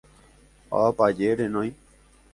Avapaje renói.